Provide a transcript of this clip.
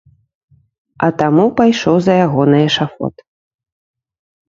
А таму пайшоў за яго на эшафот.